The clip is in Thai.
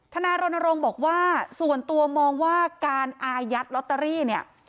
นายรณรงค์บอกว่าส่วนตัวมองว่าการอายัดลอตเตอรี่เนี่ย